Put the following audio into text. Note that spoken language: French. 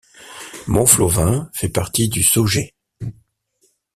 Montflovin fait partie du Saugeais.